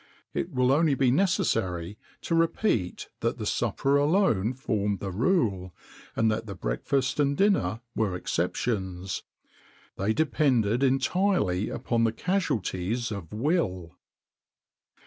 [XXIX 44] It will only be necessary to repeat that the supper alone formed the rule, and that the breakfast and dinner were exceptions; they depended entirely upon the casualties of will.